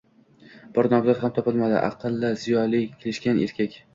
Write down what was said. Bir nomzod ham topildi, aqlli, ziyoli, kelishgan erkak